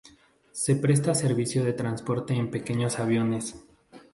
Se presta servicio de transporte en pequeños aviones.